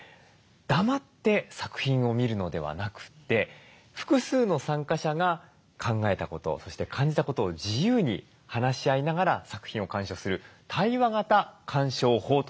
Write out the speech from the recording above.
黙って作品を見るのではなくて複数の参加者が考えたことそして感じたことを自由に話し合いながら作品を鑑賞する対話型鑑賞法という方法について取材しました。